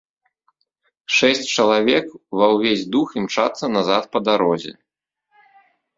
Шэсць чалавек ва ўвесь дух імчацца назад па дарозе.